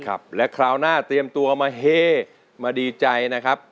ครับและคราวหน้าเตรียมตัวมาเฮ่มาดีใจนะครับ